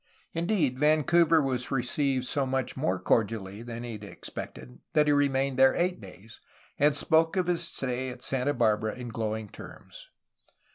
Indeed, Vancouver was received so much more cordially than he had expected that he remained there eight days, and spoke of his stay at Santa Barbara in glowing terms.